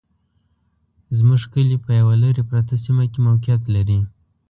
زموږ کلي په يوه لري پرته سيمه کي موقعيت لري